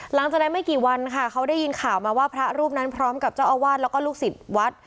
หลังจากนั้นไม่กี่วันค่ะเขาได้ยินข่าวมาว่าพระรูปนั้นพร้อมกับเจ้าอาวาสแล้วก็ลูกศิษย์วัด